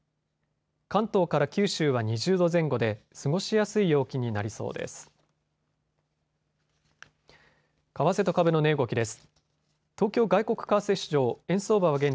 関東から九州は２０度前後で過ごしやすい陽気になりそうです。